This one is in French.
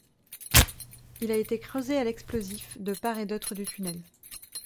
Il a été creusé à l'explosif, de part et d'autre du tunnel.